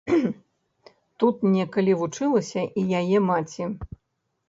Тут некалі вучылася і яе маці.